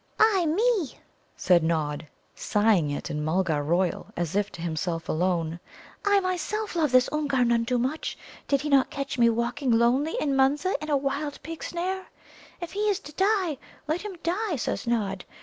"Ah, me!" said Nod, sighing it in Mulgar royal, as if to himself alone, "I myself love this Oomgar none too much. Did he not catch me walking lonely in Munza in a wild pig snare? If he is to die, let him die, says Nod.